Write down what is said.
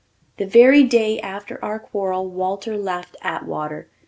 The very day after our quarrel Walter left Atwater.